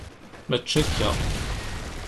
Mačči akka.